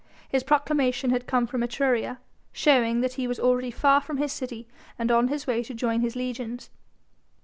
His proclamation had come from Etruria, showing that he was already far from his city and on his way to join his legions.